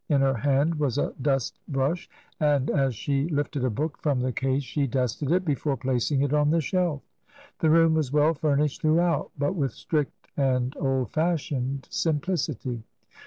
In her hand was a dust brush, and as she lifted a book from the case she dusted it before placing it on the shelf. The room was well furnished throughout, but with strict and old £ishioned simplicity.